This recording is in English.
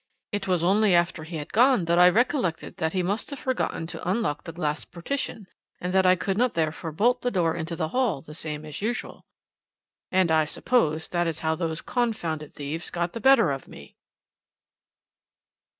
It was only after he had gone that I recollected that he must have forgotten to unlock the glass partition and that I could not therefore bolt the door into the hall the same as usual, and I suppose that is how those confounded thieves got the better of me.'"